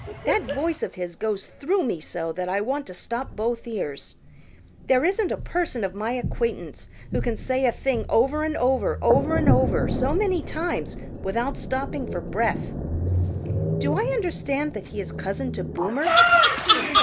That voice of his goes through me so that I want to stop both ears. There isn't a person of my acquaintance who can say a thing over and over, over and over, so many times without stopping for breath. Do I understand that he is cousin to Boomer?"